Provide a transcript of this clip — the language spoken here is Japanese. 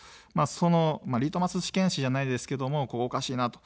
そのリトマス試験紙じゃないですけど、ここおかしいなと。